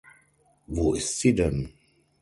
Wo ist sie denn?